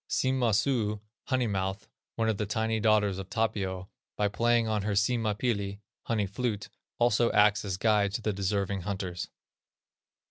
Sima suu (honey mouth), one of the tiny daughters of Tapio, by playing on her Sima pilli (honey flute), also acts as guide to the deserving hunters.